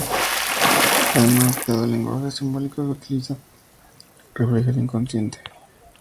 Además, dado el lenguaje simbólico que utiliza, refleja el inconsciente.